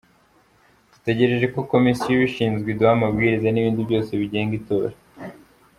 Dutegereje ko Komisiyo ibishinzwe iduha amabwiriza n’ibindi byose bigenga itora”.